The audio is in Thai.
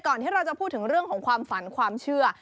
ที่เราจะพูดถึงเรื่องของความฝันความเชื่อ